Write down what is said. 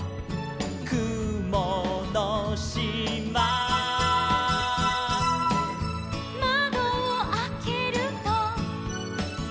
「くものしま」「まどをあけると」